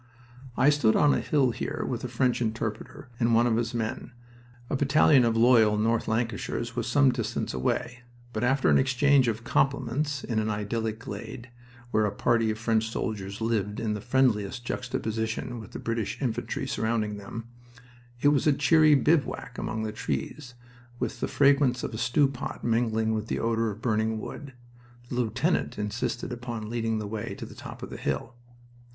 I stood on a hill here, with a French interpreter and one of his men. A battalion of loyal North Lancashires was some distance away, but after an exchange of compliments in an idyllic glade, where a party of French soldiers lived in the friendliest juxtaposition with the British infantry surrounding them it was a cheery bivouac among the trees, with the fragrance of a stew pot mingling with the odor of burning wood the lieutenant insisted upon leading the way to the top of the hill.